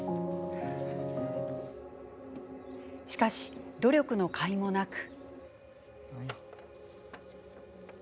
しかし、努力のかいもなく。